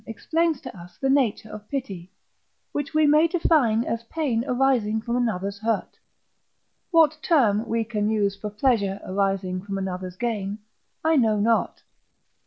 explains to us the nature of Pity, which we may define as pain arising from another's hurt. What term we can use for pleasure arising from another's gain, I know not.